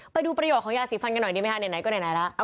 ไปดูประโยชน์ของยาสีฟันกันหน่อยดีไหมคะไหนก็ไหนแล้ว